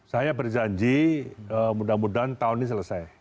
saya berjanji mudah mudahan tahun ini selesai